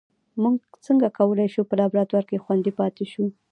موږ څنګه کولای شو په لابراتوار کې خوندي پاتې شو